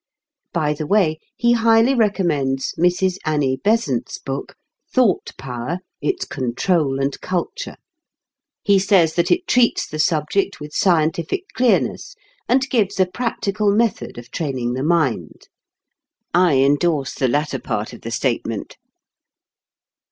By the way, he highly recommends Mrs. Annie Besant's book, Thought Power: Its Control and Culture. He says that it treats the subject with scientific clearness, and gives a practical method of training the mind, I endorse the latter part of the statement.